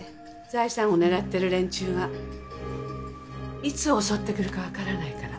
財産を狙ってる連中がいつ襲ってくるかわからないから。